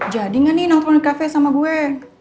jadi gak nih nonton di cafe sama gue